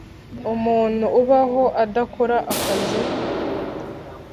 umuntu ubaho adakora akazi.